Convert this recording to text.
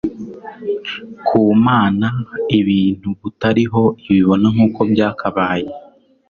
Ku Mana, ibintu butariho ibibona nk'uko byakabaye.